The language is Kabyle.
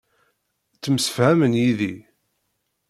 Temsefhamem yid-i.